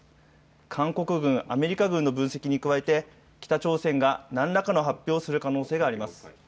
韓国軍、アメリカ軍の分析に加えて北朝鮮が何らかの発表をする可能性があります。